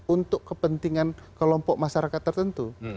untuk kepentingan kelompok masyarakat tertentu